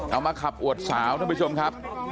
เอามาขับอวดสาวทุกประชุมครับ